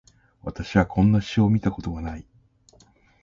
私はこんな詩を見たことがない